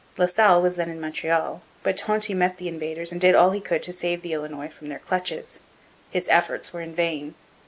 La Salle was then in Montreal, but Tonty met the invaders and did all he could to save the Illinois from their clutches. His efforts were in vain.